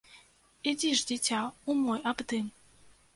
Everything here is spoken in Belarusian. Ідзі ж, дзіця, у мой абдым!